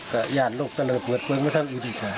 ก็หยานลูกก็เรียบเบือดเบื้องไปทางอีกอีกค่ะ